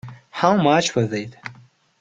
How much was it.